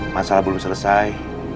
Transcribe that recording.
masalah belum selesai